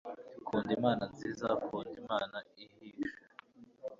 Kunda imana nziza kunda imana ihishe